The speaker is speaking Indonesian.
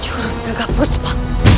juru setegah fuspa